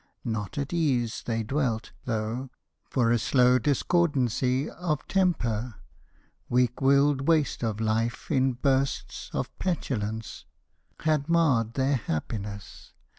Not at ease They dwelt, though; for a slow discordancy Of temper weak willed waste of life in bursts Of petulance had marred their happiness.